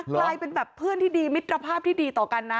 กลายเป็นแบบเพื่อนที่ดีมิตรภาพที่ดีต่อกันนะ